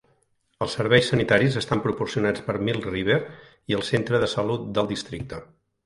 Els serveis sanitaris estan proporcionats per Milk River i el centre de salut del districte.